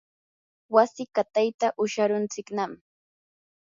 wasi qatayta usharuntsiknam.